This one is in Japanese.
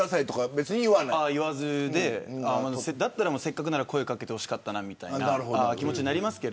言わずにせっかくなら声を掛けてほしかったみたいな気持ちになります。